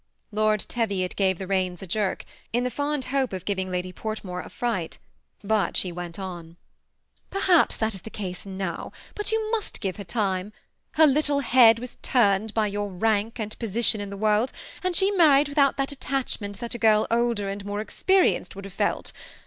Lord Teviot gave the reins a jerk, in the fond hope of giving Lady Portmore a fright ; but she went on. '^ Perhaps that is the case now, but you must give }ier time. Her little head was turned by your rank and position in the world, and she married without that attachment that a girl older and more experienced would have felt.